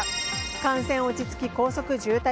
感染落ち着き高速渋滞？